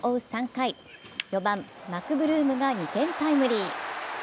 ３回、４番・マクブルームが２点タイムリー。